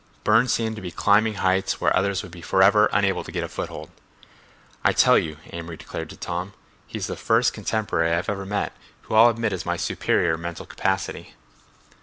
Burne seemed to be climbing heights where others would be forever unable to get a foothold. "I tell you," Amory declared to Tom, "he's the first contemporary I've ever met whom I'll admit is my superior in mental capacity."